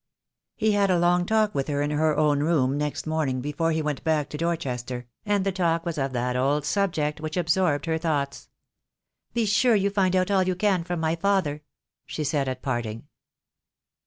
He had a long talk with her in her own room next morning before he went back to Dorchester, and the talk was of that old subject which absorbed her thoughts. "Be sure you find out all you can from my father," she said at parting.